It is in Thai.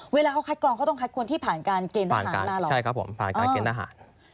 เวลาเขาคัดกรองเขาต้องคัดคนที่ผ่านการเกณฑ์ทหารใช่ครับผมผ่านการเกณฑ์ทหาร